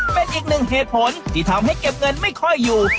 เป็นอีกหนึ่งเหตุผลที่ทำให้เก็บเงินไม่ค่อยอยู่